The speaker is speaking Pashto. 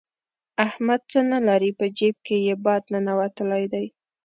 احمد څه نه لري؛ په جېب کې يې باد ننوتلی دی.